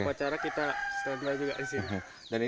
sama upacara kita setelah juga di sini